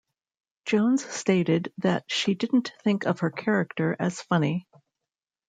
Jones stated that she didn't think of her character as funny.